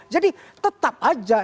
jadi tetap aja